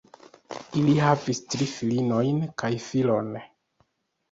Ili havis tri filinojn kaj filon.